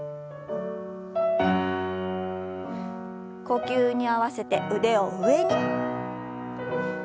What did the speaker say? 呼吸に合わせて腕を上に。